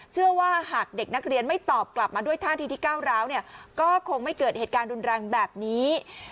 เชื่อว่าหากเด็กนักเรียนไม่ตอบกลับมาด้วยท่าทีที่ก้าวร้าวเนี่ยก็คงไม่เกิดเหตุการณ์รุนแรงแบบนี้